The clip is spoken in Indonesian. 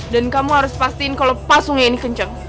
dan kamu harus pastiin kau lepas sungai ini kenceng